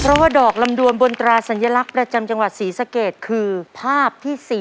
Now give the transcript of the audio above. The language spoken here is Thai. เพราะว่าดอกลำดวนบนตราสัญลักษณ์ประจำจังหวัดศรีสะเกดคือภาพที่๔